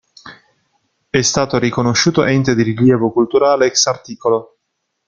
È stato riconosciuto Ente di Rilievo Culturale ex art.